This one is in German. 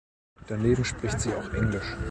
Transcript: Daneben spricht sie auch Englisch.